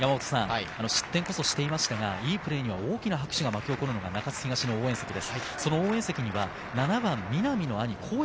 失点こそしていましたが、いいプレーには大きな拍手がわき上がるのが中津東のベンチです。